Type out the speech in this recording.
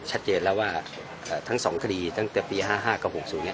ชัดเจนแล้วว่าอ่าทั้งสองคดีตั้งแต่ปีห้าห้ากับหกศูนย์เนี้ย